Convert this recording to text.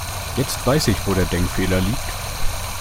Jetzt weiß ich, wo der Denkfehler liegt.